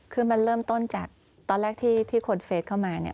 คือมันเริ่มต้นจากตอนแรกที่คนเฟสเข้ามาเนี่ย